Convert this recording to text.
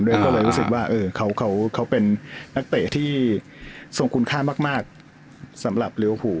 ก็เลยรู้สึกว่าเขาเป็นนักเตะที่ทรงคุณค่ามากสำหรับลิเวอร์ฟู